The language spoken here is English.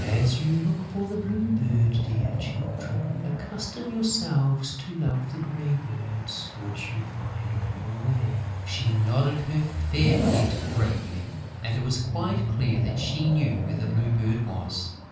"As you look for the Blue Bird, dear Children, accustom yourselves to love the grey birds which you find on your way." She nodded her fair head gravely; and it was quite clear that she knew where the Blue Bird was.